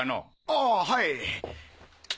ああはい！